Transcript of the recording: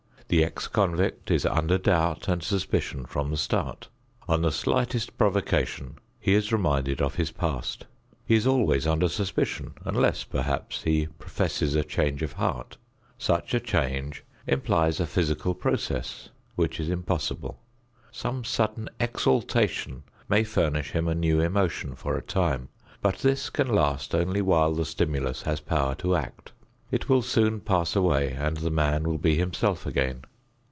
The ex convict is under doubt and suspicion from the start. On the slightest provocation he is reminded of his past. He is always under suspicion unless, perhaps, he professes a change of heart. Such a change implies a physical process which is impossible. Some sudden exaltation may furnish him a new emotion for a time, but this can last only while the stimulus has power to act. It will soon pass away and the man will be himself again.